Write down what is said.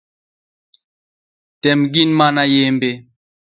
Tem gin mana yembe.